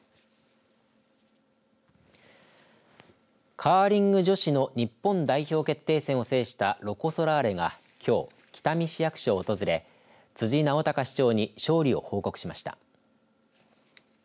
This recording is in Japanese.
カーリング女子の日本代表決定戦を制したロコ・ソラーレが、きょう北見市役所を訪れ辻直孝市長に勝利を報告しました。